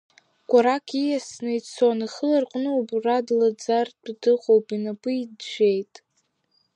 Кәарак ииасны ицон, ихы ларҟәны убра длаӡаратәы дыҟоуп инапы иӡәӡәеит.